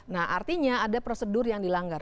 nah artinya ada prosedur yang dilanggar